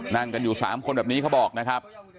นั่งกันอยู่๓คนแบบนี้เขาบอกนะครับ